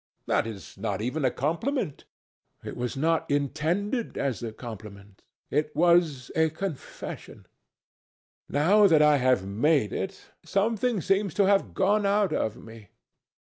That is not even a compliment." "It was not intended as a compliment. It was a confession. Now that I have made it, something seems to have gone out of me.